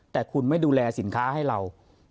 แต่คุณไม่ดูแลสินค้าให้เรา